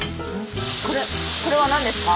これこれは何ですか？